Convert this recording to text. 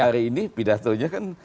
hari ini pidatonya kan